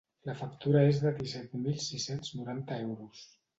La factura és de disset mil sis-cents noranta euros.